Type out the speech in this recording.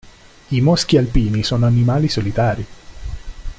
I moschi alpini sono animali solitari.